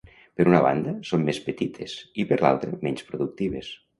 Per una banda, són més petites i, per l'altra, menys productives.